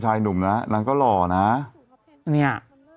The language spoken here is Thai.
นางหนุ่มมองข้างหลังอีกแล้วเนี่ย